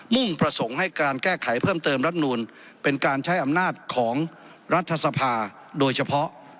่งประสงค์ให้การแก้ไขเพิ่มเติมรัฐนูลเป็นการใช้อำนาจของรัฐสภาโดยเฉพาะ